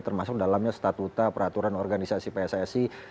termasuk dalamnya statuta peraturan organisasi pssi